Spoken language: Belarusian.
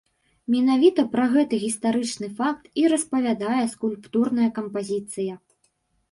Менавіта пра гэты гістарычны факт і распавядае скульптурная кампазіцыя.